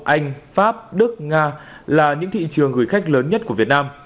anh pháp đức nga là những thị trường gửi khách lớn nhất của việt nam